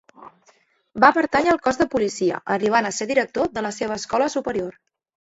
Va pertànyer al Cos de Policia, arribant a ser director de la seva Escola Superior.